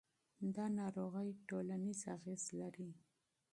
دا ناروغي ټولنیز اغېز لري.